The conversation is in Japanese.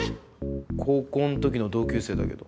高校の時の同級生だけど。